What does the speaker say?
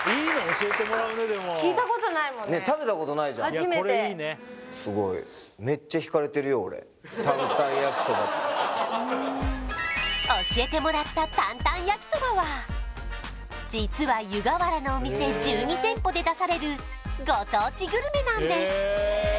初めてすごい担々やきそば教えてもらった担々やきそばは実は湯河原のお店１２店舗で出されるご当地グルメなんです